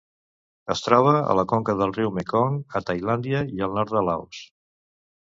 Es troba a la conca del riu Mekong a Tailàndia i el nord de Laos.